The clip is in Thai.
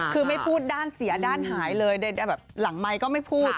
คือไม่พูดด้านเสียด้านหายเลยแต่แบบหลังไมค์ก็ไม่พูด